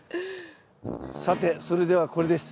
さてそれではこれです。